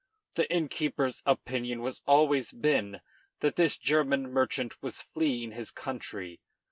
The innkeeper's opinion has always been that this German merchant was fleeing his country.